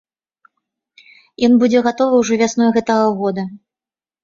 Ён будзе гатовы ўжо вясной гэтага года.